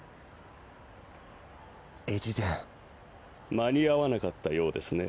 間に合わなかったようですね。